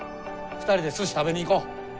２人ですし食べに行こう。